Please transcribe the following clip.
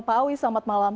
pak awi selamat malam